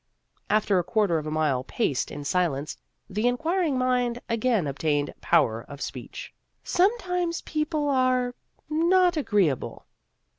After a quarter of a mile paced in silence, the Inquiring Mind again obtained power of speech. " Sometimes people are not agreeable."